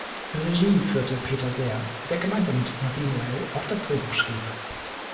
Regie führte Peter Sehr, der gemeinsam mit Marie Noelle auch das Drehbuch schrieb.